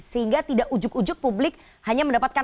sehingga tidak ujuk ujuk publik hanya mendapatkan